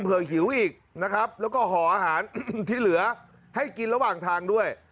หิวอีกนะครับแล้วก็ห่ออาหารที่เหลือให้กินระหว่างทางด้วย